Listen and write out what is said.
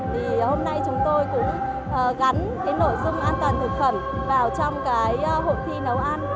thì hôm nay chúng tôi cũng gắn cái nội dung an toàn thực phẩm vào trong cái hội thi nấu ăn